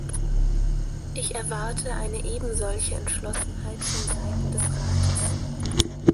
Ich erwarte einen ebensolche Entschlossenheit vonseiten des Rates.